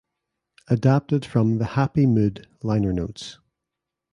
Adapted from the "Happy Mood" liner notes.